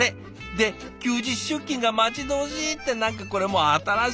で休日出勤が待ち遠しいって何かこれもう新しいパターン！